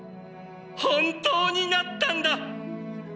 本当になったんだ！